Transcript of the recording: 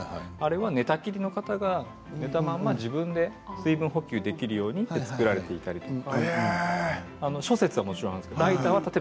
寝たきりの方が寝たまま自分で水分補給できるように作られていたりとか。